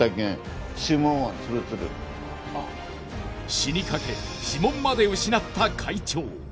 死にかけ指紋まで失った会長。